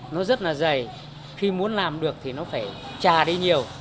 nó rất là dày khi muốn làm được thì nó phải trà đi nhiều